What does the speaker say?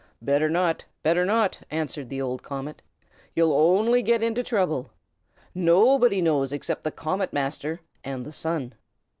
"Better not! better not!" answered the old comet. "You'll only get into trouble. Nobody knows except the Comet Master and the Sun.